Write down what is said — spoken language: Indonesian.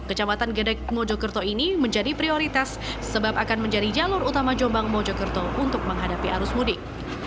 kecamatan gedek mojokerto ini menjadi prioritas sebab akan menjadi jalur utama jombang mojokerto untuk menghadapi arus mudik